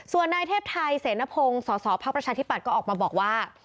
ส่วนนายเทพไทยเสนพงสศพธิปัตรก็ออกมาบอกว่า